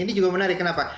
ini juga menarik kenapa